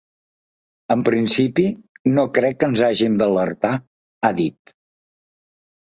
“En principi, no crec que ens hàgim d’alertar”, ha dit.